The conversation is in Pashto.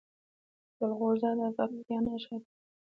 جلغوزه د پکتیا نښه ده.